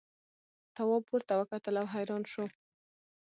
تواب پورته وکتل او حیران شو.